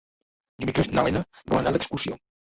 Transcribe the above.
Dimecres na Lena vol anar d'excursió.